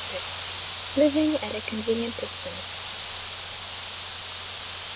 LIVING AT A CONVENIENT DISTANCE.